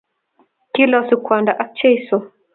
Kilosu Kwanda ak Jesu,